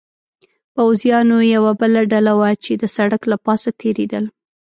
پوځیانو یوه بله ډله وه، چې د سړک له پاسه تېرېدل.